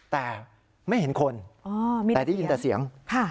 แต่ไม่เห็นคนแต่ได้ยินแต่เสียง